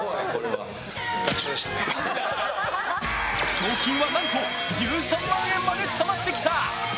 賞金は、何と１３万円までたまってきた！